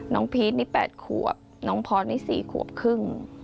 พีชนี่๘ขวบน้องพอร์ตนี่๔ขวบครึ่ง